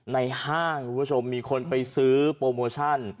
ในห้างมีคนไปซื้อโปรโมชั่น